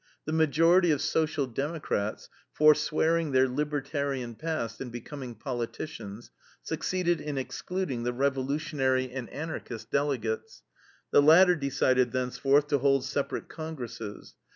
The majority of Social Democrats, forswearing their libertarian past and becoming politicians, succeeded in excluding the revolutionary and Anarchist delegates. The latter decided thenceforth to hold separate congresses.